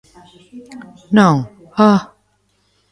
¿Non?, ¡Ah!